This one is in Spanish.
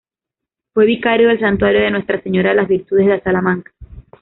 Fue vicario del Santuario de Nuestra Señora de las Virtudes de Salamanca.